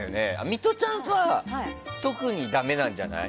ミトちゃんは特にだめなんじゃない？